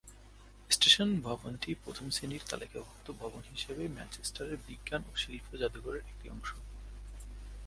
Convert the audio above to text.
Station ভবনটি প্রথম শ্রেণীর তালিকাভুক্ত ভবন হিসাবে ম্যানচেস্টারের বিজ্ঞান ও শিল্প জাদুঘরের একটি অংশ।